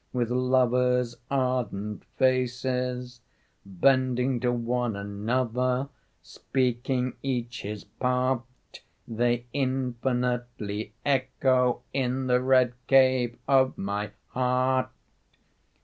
With lovers' ardent faces Bending to one another, Speaking each his part. They infinitely echo In the red cave of my heart.